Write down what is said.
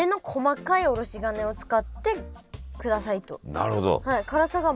なるほど。